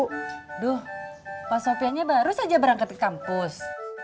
aduh paswapiannya baru saja berangkat ke kampus